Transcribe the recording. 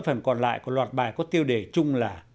phần còn lại của loạt bài có tiêu đề chung là